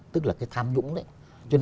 tức là cái tham nhũng đấy